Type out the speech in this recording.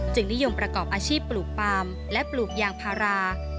นิยมประกอบอาชีพปลูกปาล์มและปลูกยางพารา